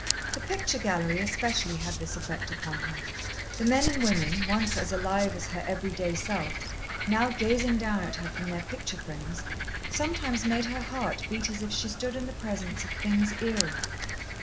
The picture gallery especially had this effect upon her. The men and women, once as alive as her everyday self, now gazing down at her from their picture frames sometimes made her heart beat as if she stood in the presence of things eerie.